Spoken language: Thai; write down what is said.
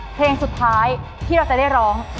เพลงสุดท้ายที่เราจะได้ร้อง